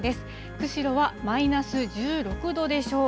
釧路はマイナス１６度でしょう。